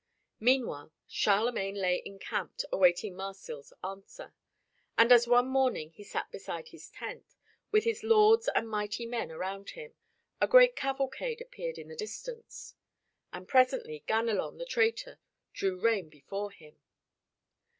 Meanwhile Charlemagne lay encamped, awaiting Marsil's answer. And as one morning he sat beside his tent, with his lords and mighty men around him, a great cavalcade appeared in the distance. And presently Ganelon, the traitor, drew rein before him.